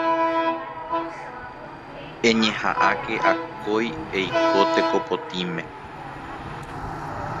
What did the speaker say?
Eñeha'ãke akói eiko teko potĩme